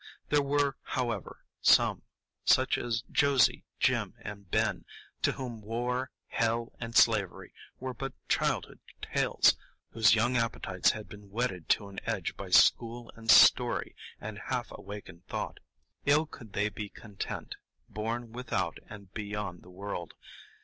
There were, however, some—such as Josie, Jim, and Ben—to whom War, Hell, and Slavery were but childhood tales, whose young appetites had been whetted to an edge by school and story and half awakened thought. Ill could they be content, born without and beyond the World.